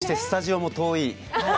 そして、スタジオも遠い。